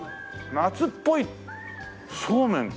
夏っぽいそうめんか。